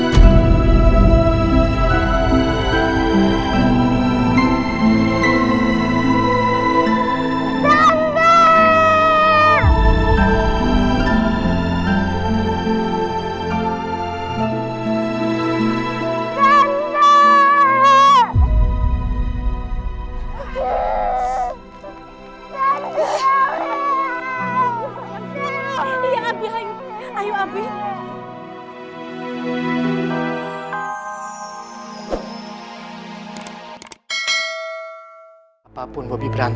sampai jumpa di video selanjutnya